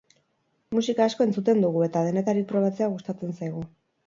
Musika asko entzuten dugu, eta denetarik probatzea gustatzen zaigu.